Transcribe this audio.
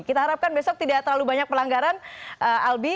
kita harapkan besok tidak terlalu banyak pelanggaran albi